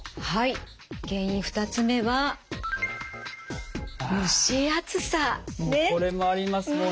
はい原因２つ目はもうこれもあります。